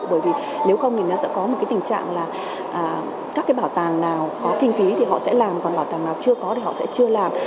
bởi vì nếu không thì nó sẽ có một cái tình trạng là các cái bảo tàng nào có kinh phí thì họ sẽ làm còn bảo tàng nào chưa có thì họ sẽ chưa làm